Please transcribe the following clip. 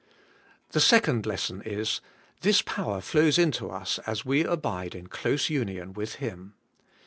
The second lesson is: This power flows into us as we abide in close union with Him.